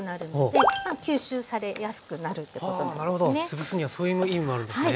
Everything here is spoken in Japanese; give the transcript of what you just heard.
つぶすにはそういう意味もあるんですね。